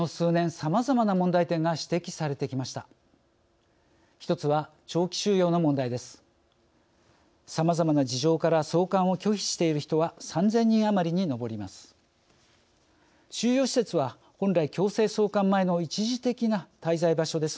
さまざまな事情から送還を拒否している人は３０００人余りに上ります。